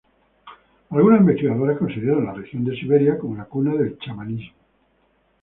Algunos investigadores consideran la región de Siberia como la cuna del chamanismo.